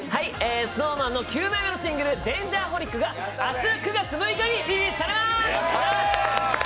ＳｎｏｗＭａｎの９枚目のシングル「Ｄａｎｇｅｒｈｏｌｉｃ」が明日、９月６日にリリースされます。